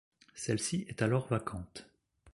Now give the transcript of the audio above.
Celle-ci est alors vacante.